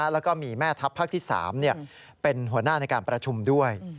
แล้วก็มีแม่ทัพภาคที่๓เป็นหัวหน้าในการประชุมด้วย